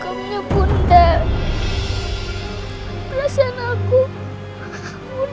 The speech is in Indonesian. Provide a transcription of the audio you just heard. orang yang tadi siang dimakamin